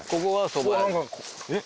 えっ？